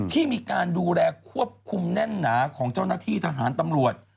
ที่มีการดูแลควบคุมแน่นหนาของเจ้าหน้าที่ทหารตำรวจ